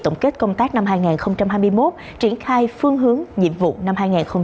tổng kết công tác năm hai nghìn hai mươi một triển khai phương hướng nhiệm vụ năm hai nghìn hai mươi bốn